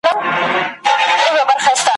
نور مي پر تنه باندي یادګار نومونه مه لیکه ,